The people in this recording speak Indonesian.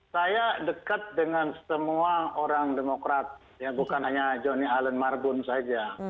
saya dekat dengan semua orang demokrat bukan hanya johnny allen marbun saja